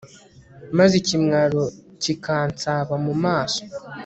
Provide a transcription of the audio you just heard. maze ikimwaro kikansaba mu maso